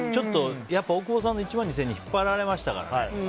やっぱり大久保さんの１万２０００円に引っ張られましたから。